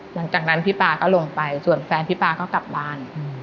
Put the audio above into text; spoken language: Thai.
หลังจากนั้นพี่ป๊าก็ลงไปส่วนแฟนพี่ป๊าก็กลับบ้าน